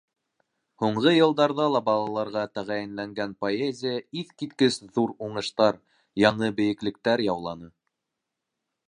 Һуңғы йылдарҙа ла балаларға тәғәйенләнгән поэзия иҫ киткес ҙур уңыштар, яңы бейеклектәр яуланы.